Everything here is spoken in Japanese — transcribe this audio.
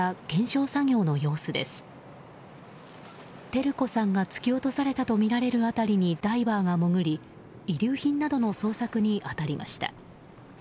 照子さんが突き落とされたとみられる辺りにダイバーが潜り遺留品などの捜索に当たりました。